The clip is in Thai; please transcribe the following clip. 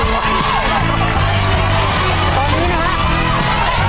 เวลามันเดินไปเรื่อยขอบคุณครับ